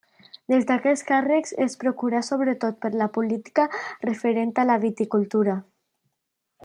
Des d'aquests càrrecs es preocupà sobretot per la política referent a la viticultura.